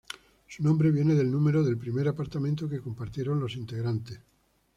Su nombre viene del número del primer apartamento que compartieron los integrantes.